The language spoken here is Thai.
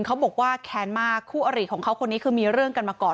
เขาบอกว่าแค้นมากคู่อริของเขาคนนี้คือมีเรื่องกันมาก่อน